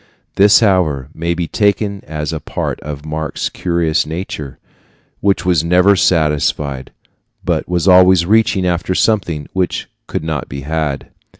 This, however, may be taken as a part of Marx's curious nature, which was never satisfied, but was always reaching after something which could not be had.